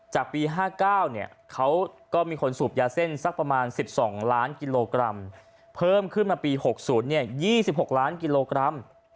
จากปีห้าเก้าเนี่ยเขาก็มีคนสูบยาเส้นสักประมาณสิบสองล้านกิโลกรัมเพิ่มขึ้นมาปีหกศูนย์เนี่ยยี่สิบหกล้านกิโลกรัม